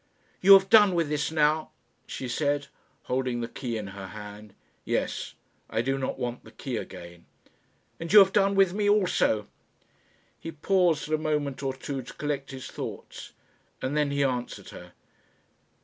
"You have done with this now," she said, holding the key in her hand. "Yes; I do not want the key again." "And you have done with me also?" He paused a moment or two to collect his thoughts, and then he answered her.